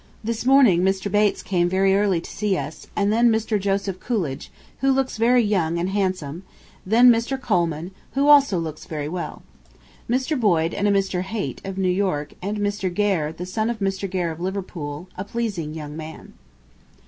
This morning Mr. Bates came very early to see us, and then Mr. Joseph Coolidge, who looks very young and handsome; then Mr. Colman, who also looks very well, Mr. Boyd and a Mr. Haight, of New York, and Mr. Gair, son of Mr. Gair of Liverpool, a pleasing young man.